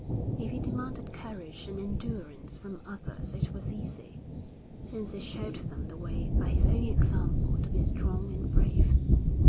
If he demanded courage and endurance from others it was easy, since he showed them the way by his own example to be strong and brave.